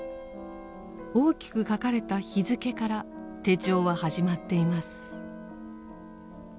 大きく書かれた日付から手帳は始まっています。